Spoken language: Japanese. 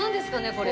これ。